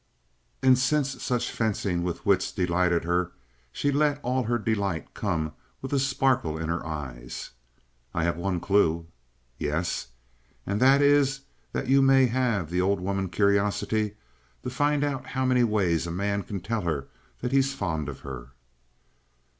And since such fencing with the wits delighted her, she let all her delight come with a sparkle in her eyes. "I have one clue." "Yes?" "And that is that you may have the old woman curiosity to find out how many ways a man can tell her that he's fond of her."